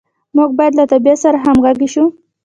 موږ باید له طبیعت سره همغږي شو.